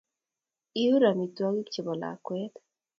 iur amitwogik cho bo lakwet